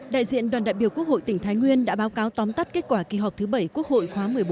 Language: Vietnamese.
đại diện đoàn đại biểu quốc hội tỉnh thái nguyên đã báo cáo tóm tắt kết quả kỳ họp thứ bảy quốc hội khóa một mươi bốn